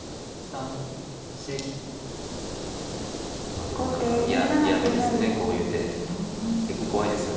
あでも何か嫌みですよねこういう手結構怖いですよ